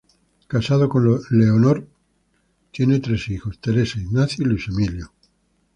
Casado con Leonor, respetuosa de su marido, tienen tres hijos: Teresa, Ignacio y Luis Emilio.